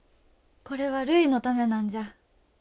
これはるいのためなんじゃ。